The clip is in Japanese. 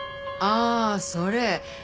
ああそれ？